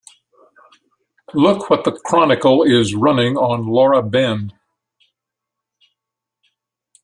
Look what the Chronicle is running on Laura Ben.